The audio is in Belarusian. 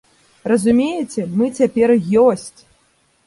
Разумееце, мы цяпер ёсць!